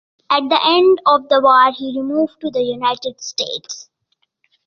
At the end of the war he moved to the United States.